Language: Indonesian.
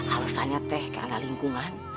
alasannya teh karena lingkungan